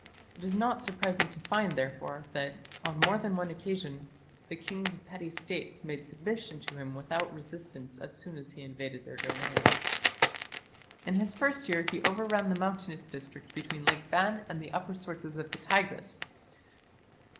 It is not surprising to find therefore that, on more than one occasion, the kings of petty States made submission to him without resistance as soon as he invaded their domains. In his first year he overran the mountainous district between Lake Van and the upper sources of the Tigris.